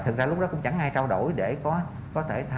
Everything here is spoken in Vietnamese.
thực ra lúc đó cũng chẳng ai trao đổi để có thể